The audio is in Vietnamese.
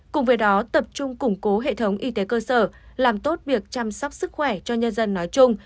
cùng với đó tập trung củng cố hệ thống y tế cơ sở làm tốt việc chăm sóc sức khỏe cho nhân dân nói chung